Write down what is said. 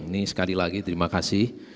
ini sekali lagi terima kasih